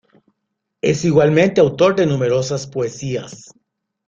Es igualmente autor de numerosas poesías.